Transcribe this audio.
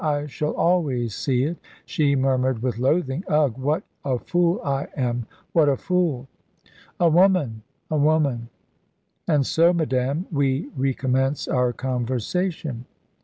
"I shall always see it," she murmured, with loathing. "Ugh! What a fool I am what a fool!" "A woman, a woman. And so, madame, we recommence our conversation."